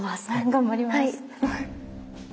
頑張ります。